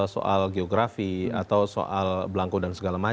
soal geografi atau soal belangko dan segala macam